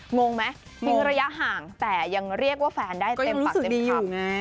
งงไหมทิ้งระยะห่างแต่ยังเรียกว่าแฟนได้เต็มปากเต็มที่อยู่ไง